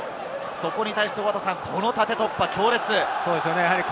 速攻に対して、この縦突破、強烈です。